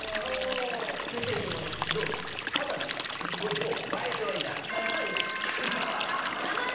ただこれどう？